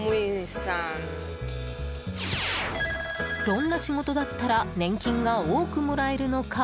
どんな仕事だったら年金が多くもらえるのか？